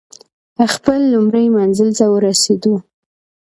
خپل لومړي منزل ته ورسېدو.